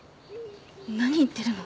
何言ってるの？